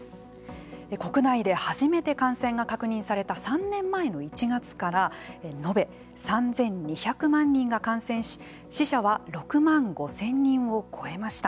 国内で初めて感染が確認された３年前の１月から延べ３２００万人が感染し死者は６万５０００人を超えました。